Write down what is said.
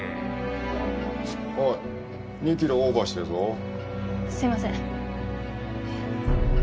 おい、２キロオーバーしてるすみません。